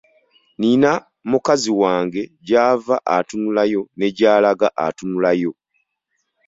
Nnina mukazi wange gy'ava atunulayo ne gy'alaga atunulayo.